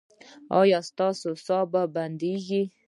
ایا ستاسو ساه به بندیږي؟